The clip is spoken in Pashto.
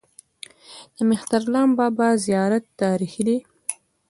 د مهترلام بابا زیارت تاریخي دی